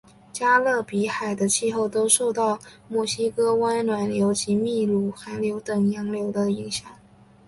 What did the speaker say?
加勒比海的气候受到墨西哥湾暖流及秘鲁寒流等洋流的影响。